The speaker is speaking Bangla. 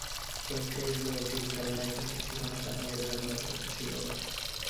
চমকে উঠল অতীন, কেননা এখানকার ঠিকানা কানাইয়েরও জানবার কথা ছিল না।